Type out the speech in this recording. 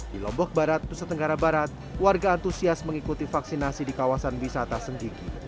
di lombok barat nusa tenggara barat warga antusias mengikuti vaksinasi di kawasan wisata senggigi